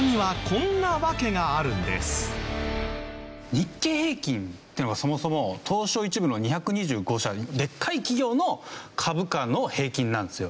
日経平均っていうのがそもそも東証１部の２２５社でっかい企業の株価の平均なんですよ。